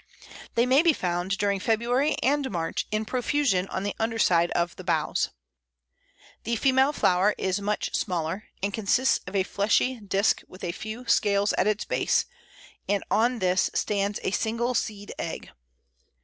They may be found during February and March, in profusion on the underside of the boughs. The female flower is much smaller, and consists of a fleshy disk with a few scales at its base, and on this stands a single seed egg.